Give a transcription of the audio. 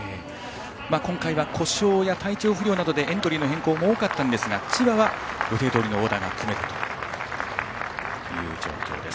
今回は故障や体調不良などでエントリー変更は多かったですが千葉は予定どおりのオーダーを組めています。